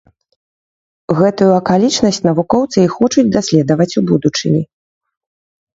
Гэтую акалічнасць навукоўцы і хочуць даследаваць у будучыні.